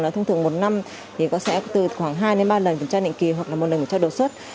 là thông thường một năm thì có sẽ từ khoảng hai ba lần kiểm tra định kỳ hoặc là một lần kiểm tra đột xuất